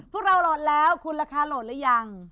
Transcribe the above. พวกเราโหลดแล้วคุณราคาโหลดหรือยัง